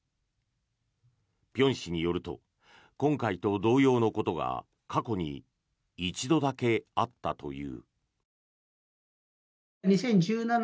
辺氏によると今回と同様のことが過去に１度だけあったという。